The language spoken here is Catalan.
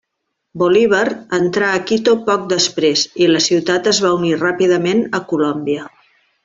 Bolívar entrà a Quito poc després i la ciutat es va unir ràpidament a Colòmbia.